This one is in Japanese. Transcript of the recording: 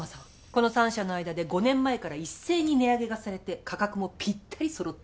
この３社の間で５年前から一斉に値上げがされて価格もぴったり揃ってるそうです。